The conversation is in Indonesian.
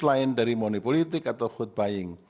lain dari money politik atau vote buying